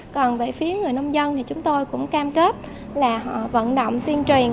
còn về phía người nông dân thì chúng tôi cũng cam kết là họ vận động tuyên truyền